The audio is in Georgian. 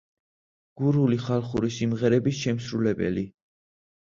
გურული ხალხური სიმღერების შემსრულებელი.